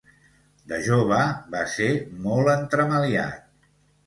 De jove va ser molt entremaliat.